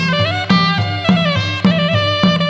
กลับไปด้วย